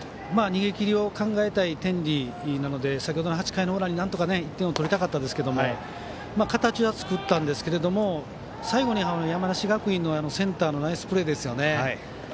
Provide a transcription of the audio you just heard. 逃げ切りを考えたい天理なので先程、８回の裏になんとか１点を取りたかったんですが形は作ったんですが最後に山梨学院のセンターのナイスプレーですよね。